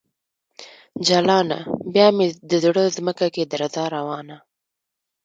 جلانه ! بیا مې د زړه ځمکه کې درزا روانه